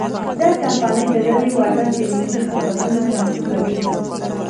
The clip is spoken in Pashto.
دا کمپنۍ د لرې واټن ټیلیفوني خدمتونه چمتو کوي.